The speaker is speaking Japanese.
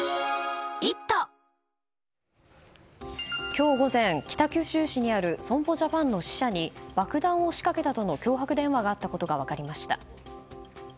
今日午前、北九州市にある損保ジャパンの支社に爆弾を仕掛けたとの脅迫電話があったことが分かりました。